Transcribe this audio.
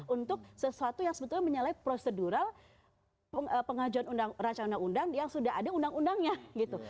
untuk sesuatu yang sebetulnya menyalahi prosedural pengajuan rancang undang undang yang sudah ada undang undangnya gitu